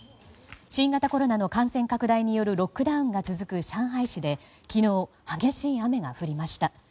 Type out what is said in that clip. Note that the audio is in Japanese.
新型コロナの感染拡大によるロックダウンが続く上海市で昨日激しい雨が降りました。